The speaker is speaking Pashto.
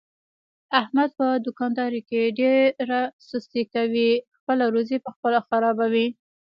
احمد په دوکاندارۍ کې ډېره سستي کوي، خپله روزي په خپله خرابوي.